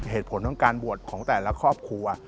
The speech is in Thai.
เหตุผลของการบวชของแต่ละครอบครัว